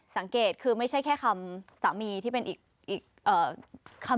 สังเกตคือไม่ใช่แค่คำสามีที่เป็นอีกคำ